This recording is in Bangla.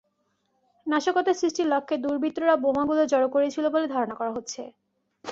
নাশকতা সৃষ্টির লক্ষ্যে দুর্বৃত্তরা বোমাগুলো জড়ো করেছিল বলে ধারণা করা হচ্ছে।